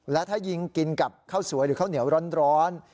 และถ้ายิงกินกับข้าวสวยหรือข้าวเหนียวร้อน